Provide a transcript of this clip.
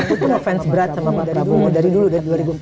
aku tuh fans berat sama mbak prabowo dari dulu dari dua ribu empat belas